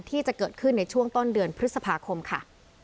ที่จะเกิดขึ้นในช่วงต้นเดือนพฤษภาคมค่ะ